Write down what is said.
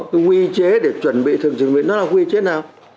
cái quy chế để chuẩn bị thường trực nó là quy chế nào